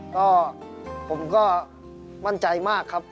ก็ผมก็มั่นใจมากครับ